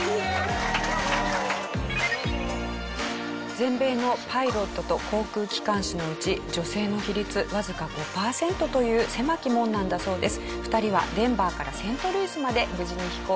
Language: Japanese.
全米のパイロットと航空機関士のうち女性の比率わずか５パーセントという狭き門なんだそうです。